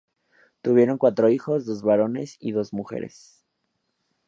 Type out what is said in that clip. Tuvieron cuatro hijos, dos varones y dos mujeres.